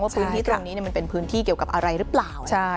พื้นที่ตรงนี้มันเป็นพื้นที่เกี่ยวกับอะไรหรือเปล่า